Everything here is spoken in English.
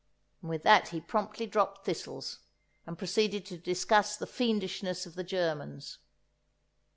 And with that he promptly dropped thistles, and proceeded to discuss the fiendishness of the Germans.